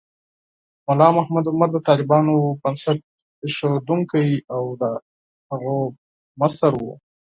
ملا محمد عمر د طالبانو بنسټ ایښودونکی و او د هغوی مشر و.